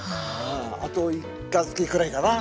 あと１か月くらいかな。